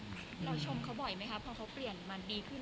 เราชมเขาบ่อยไหมคะพอเขาเปลี่ยนมันดีขึ้น